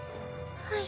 はい。